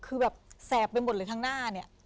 คือแบบแสบไปหมดเลยข้างหน้าเนี่ย